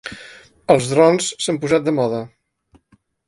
Els drons s’han posat de moda.